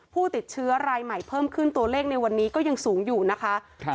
ผู้ติดเชื้อรายใหม่เพิ่มขึ้นตัวเลขในวันนี้ก็ยังสูงอยู่นะคะ